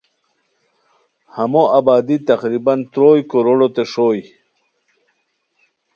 ہمو آبادی تقریباً تروئے کروڑوتین شوئے